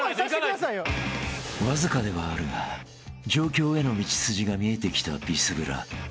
［わずかではあるが上京への道筋が見えてきたビスブラ］